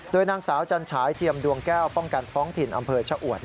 โดยนางสาวจันฉายเทียมดวงแก้วป้องกันท้องถิ่นอำเภอชะอวด